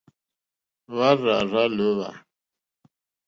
Hwá àrzà lǒhwà.